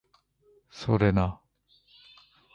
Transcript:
それな